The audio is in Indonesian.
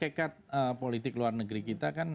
hakekat politik luar negeri kita